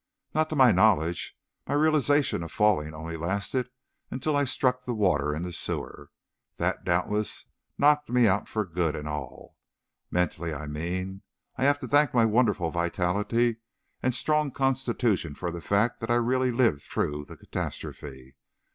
"Not to my knowledge. My realization of falling only lasted until I struck the water in the sewer. That, doubtless, knocked me out for good and all, mentally, I mean. I have to thank my wonderful vitality and strong constitution for the fact that I really lived through the catastrophe.